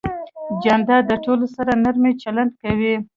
جانداد د ټولو سره نرمي چلند کوي.